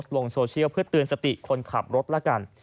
ลงโซเชียลเพื่อเตือนสติคนขับรถละกัน